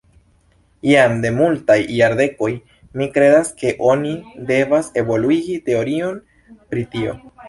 Jam de multaj jardekoj mi kredas ke oni devas evoluigi teorion pri tio.